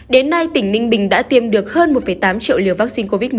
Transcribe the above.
đến nay tỉnh ninh bình đã tiêm được hơn một tám triệu liều vaccine covid một mươi chín